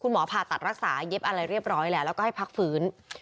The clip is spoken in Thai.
หมอผ่าตัดรักษาเย็บอะไรเรียบร้อยแล้วแล้วก็ให้พักฟื้น